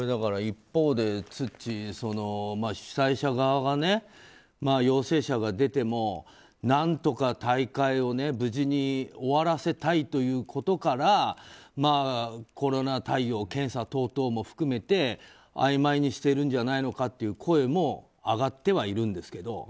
一方でツッチー主催者側が陽性者が出ても何とか大会を無事に終わらせたいということからコロナ対応、検査等々も含めてあいまいにしているんじゃないかという声も上がってはいるんですけど。